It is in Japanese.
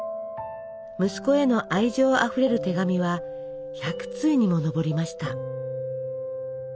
息子への愛情あふれる手紙は１００通にも上りました。